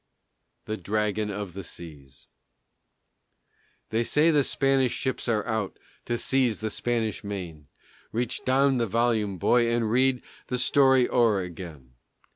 THE DRAGON OF THE SEAS They say the Spanish ships are out To seize the Spanish main; Reach down the volume, boy, and read The story o'er again.